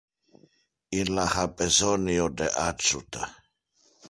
Illa ha besonio de adjuta.